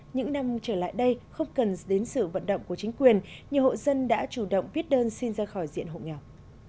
những năm trở lại đây không cần đến sự vận động của chính quyền nhiều hộ dân đã chủ động viết đơn xin ra khỏi diện hộ nghèo